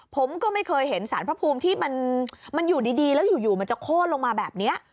ผมก็ไม่เคยเห็นสารพระภูมิที่มันอยู่ดีแล้วอยู่มันจะโค้นลงมาแบบนี้